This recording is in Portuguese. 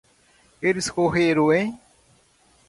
Eles correram em